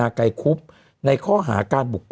มันติดคุกออกไปออกมาได้สองเดือน